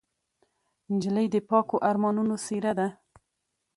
نجلۍ د پاکو ارمانونو څېره ده.